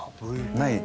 ない？